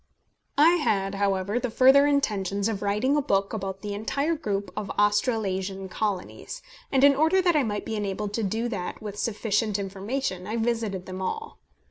I had, however, the further intentions of writing a book about the entire group of Australasian Colonies; and in order that I might be enabled to do that with sufficient information, I visited them all.